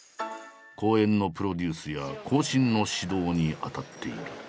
公演のプロデュースや後進の指導に当たっている。